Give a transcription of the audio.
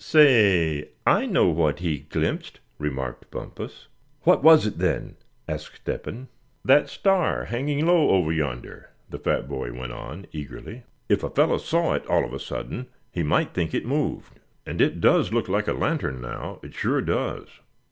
"Say, I know what he glimpsed," remarked Bumpus. "What was it, then?" asked Step hen. "That star hanging low over yonder," the fat boy went on, eagerly; "if a feller saw it all of a sudden, he might think it moved. And it does look like a lantern, now, it sure does."